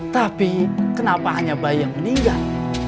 tapi kenapa hanya bayi yang meninggal